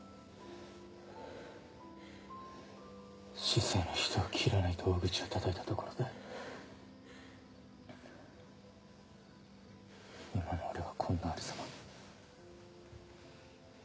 市井の人は斬らないと大口を叩いたところで今の俺はこんなありさま。